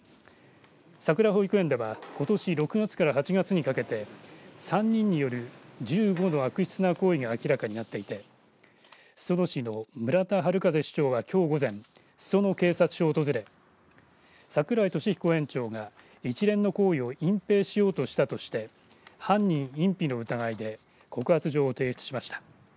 さくら保育園ではことし６月から８月にかけて３人による１５の悪質な行為が明らかになっていて裾野市の村田悠市長はきょう午前裾野警察署を訪れ櫻井利彦園長が一連の行為を隠ぺいしようとしたとして犯人隠避の疑いで告発状を提出しました。